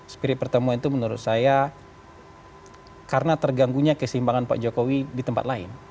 spirit pertemuan itu menurut saya karena terganggunya kesimbangan pak jokowi di tempat lain